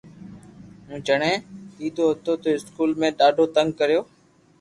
ھون جڻي نينو ھتو تو اسڪول مي ڌاڌو تنگ ڪرتو